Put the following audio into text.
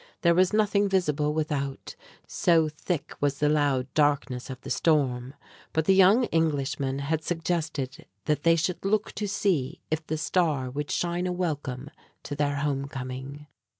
There was nothing visible without, so thick was the loud darkness of the storm; but the young Englishman had suggested that they should look to see if the "Star" would shine a welcome to their home coming.